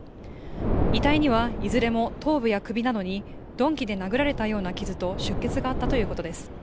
遺体にはいずれも頭部や首などに鈍器で殴られたような傷と出血があったということです。